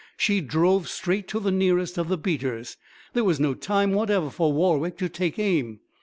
She drove straight to the nearest of the beaters. There was no time whatever for Warwick to take aim.